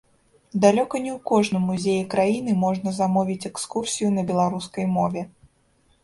Далёка не ў кожным музеі краіны можна замовіць экскурсію на беларускай мове.